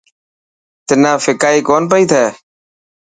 تنا ڦڪائي ڪونه پئي ٿي.